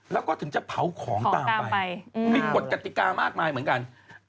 แล้วก็ถึงจะเผาของตามไปมีกฎกติกามากมายเหมือนกัน